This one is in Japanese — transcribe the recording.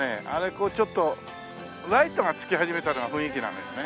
こうちょっとライトがつき始めたのが雰囲気なのよね。